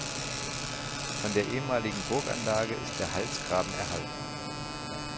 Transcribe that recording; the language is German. Von der ehemaligen Burganlage ist der Halsgraben erhalten.